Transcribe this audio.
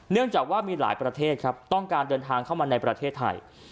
จากว่ามีหลายประเทศครับต้องการเดินทางเข้ามาในประเทศไทย